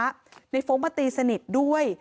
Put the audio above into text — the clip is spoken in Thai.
เขามาตีสนิทด้วย